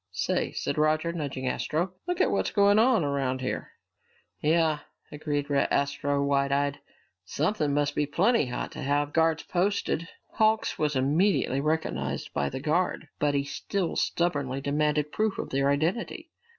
"Say," said Roger, nudging Astro, "look at what's going on around here!" "Yeah," agreed Astro, wide eyed. "Something must be plenty hot to have guards posted!" Hawks was immediately recognized by the guard, but he still stubbornly demanded proof of their identity.